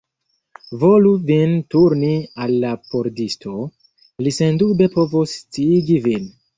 Volu vin turni al la pordisto; li sendube povos sciigi vin.